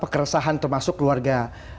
keresahan termasuk keluarga